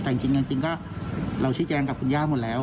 แต่จริงก็เราชี้แจงกับคุณย่าหมดแล้ว